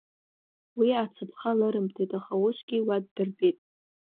Уи ацыԥха лырымҭеит, аха усгьы уа ддыртәеит.